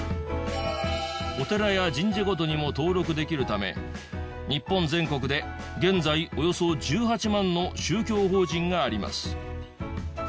お寺や神社ごとにも登録できるため日本全国で現在およそ１８万の宗教法人があります。